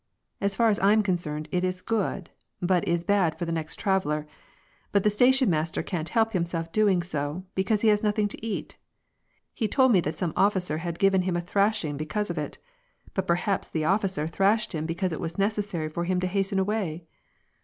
" As far as I am concerned, it is good, but is bad for the next trav eller ; but the station master can't help himself doing so, be cause he has nothing to eat ; he told me that some officer had given him a thrashing because of it. But perhaps the officer thrashed him because it was necessary for him to hasten away.